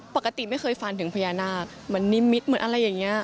ปกติไม่เคยฝันถึงพญานาคเหมือนนิมิตเหมือนอะไรอย่างนี้